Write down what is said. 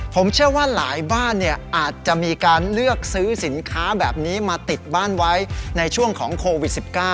ผมเชื่อว่าหลายบ้านอาจจะมีการเลือกซื้อสินค้าแบบนี้มาติดบ้านไว้ในช่วงของโควิด๑๙